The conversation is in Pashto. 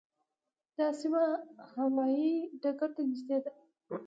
دا سیمه هوايي ډګر ته نږدې ده.